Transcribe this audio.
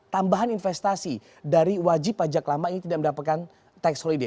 tambahan investasi dari wajib pajak lama ini tidak mendapatkan tax holiday